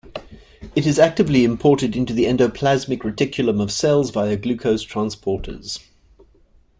It is actively imported into the endoplasmic reticulum of cells via glucose transporters.